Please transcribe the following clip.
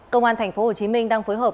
công an tp hcm đang phối hợp